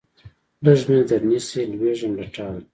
لږ مې درنیسئ لوېږم له ټاله